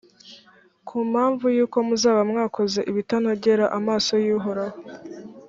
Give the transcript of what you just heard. ku mpamvu y’uko muzaba mwakoze ibitanogera amaso y’uhoraho,